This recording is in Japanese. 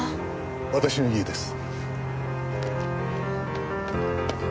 私の家です。